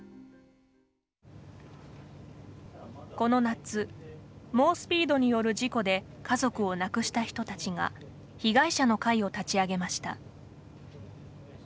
この夏猛スピードによる事故で家族を亡くした人たちが被害者の会を立ち上げました。